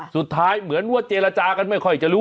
สุดท้ายเหมือนว่าเจระจากันไม่ค่อยจะรู้